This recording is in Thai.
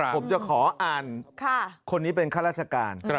ผมจะขออ่านคนนี้เป็นข้าราชการ